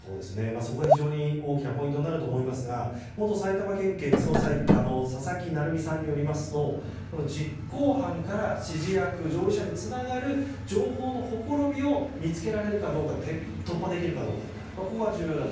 そこが非常に大きなポイントになると思いますが元埼玉県警捜査１課の佐々木成三さんによりますと実行犯から指示役、上位者につながる情報のほころびを見つけられるかどうか突破できるかどうかここが重要だと。